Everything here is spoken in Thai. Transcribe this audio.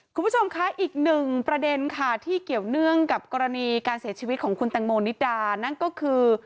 คุณผู้ชมคะอีกหนึ่งประเด็นค่ะที่เกี่ยวเนื่องกับกรณีการเสียชีวิตของคุณแตงโมนิดานั่นก็คือ